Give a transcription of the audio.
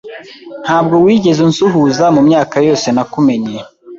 Ntabwo wigeze unsuhuza mumyaka yose nakumenye.